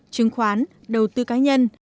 chứng khoán đầu tư cá nhân